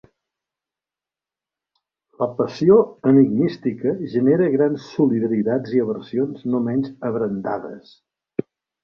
La passió enigmística genera grans solidaritats i aversions no menys abrandades.